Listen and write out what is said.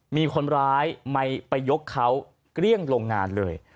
มีคนร้ายไปยกเขาเกลี้ยงโรงงานเลย